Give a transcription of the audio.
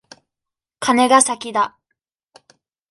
カネが先だ。